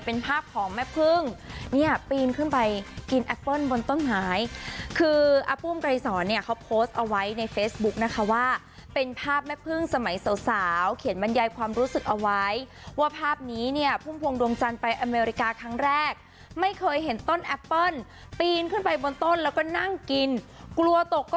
เป็นภาพของแม่พึ่งเนี่ยปีนขึ้นไปกินแอปเปิ้ลบนต้นไม้คืออาปุ้มไกรสอนเนี่ยเขาโพสต์เอาไว้ในเฟซบุ๊กนะคะว่าเป็นภาพแม่พึ่งสมัยสาวสาวเขียนบรรยายความรู้สึกเอาไว้ว่าภาพนี้เนี่ยพุ่มพวงดวงจันทร์ไปอเมริกาครั้งแรกไม่เคยเห็นต้นแอปเปิ้ลปีนขึ้นไปบนต้นแล้วก็นั่งกินกลัวตกก็